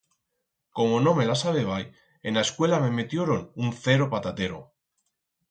Como no me la sabébai, en a escuela me metioron un cero patatero.